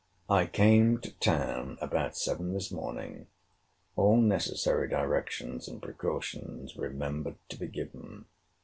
I came to town about seven this morning—all necessary directions and precautions remembered to be given.